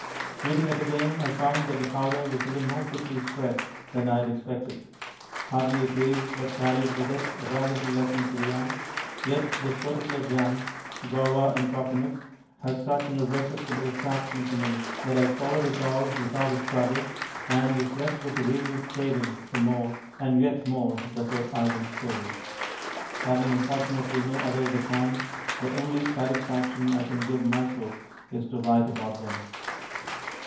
Reading it again, I found that the powder was even more thickly spread than I had expected; hardly a page but carried with it a valuable lesson for the young; yet this particular jam (guava and cocoanut) has such an irresistible attraction for me that I swallowed it all without a struggle, and was left with a renewed craving for more and yet more desert island stories. Having, unfortunately, no others at hand, the only satisfaction I can give myself is to write about them.